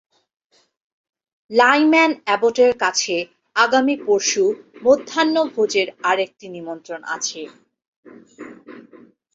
Lyman অ্যাবট-এর কাছে আগামী পরশু মধ্যাহ্ন-ভোজের আর একটি নিমন্ত্রণ আছে।